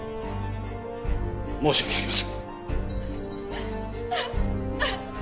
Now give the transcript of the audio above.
申し訳ありません。